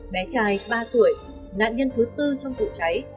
bé trai ba tuổi nạn nhân thứ tư trong vụ cháy